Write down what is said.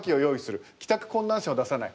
「帰宅困難者を出さない」